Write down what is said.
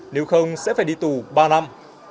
nếu không sẽ phải đi tù ba năm